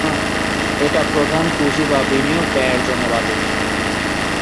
এটা প্রধান পুঁজি, বা বিনিয়োগ, ব্যয়ের জন্য বাজেট।